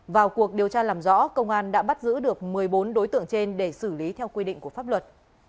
vào cuộc điều tra làm rõ công an đã bắt giữ được một mươi bốn đối tượng trên để xử lý theo quy định của pháp luật